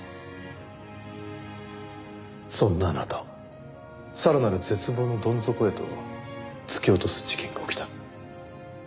そんなあなたをさらなる絶望のどん底へと突き落とす事件が起きた。